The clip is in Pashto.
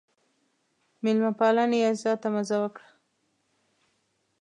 مېلمه پالنې یې زیاته مزه وکړه.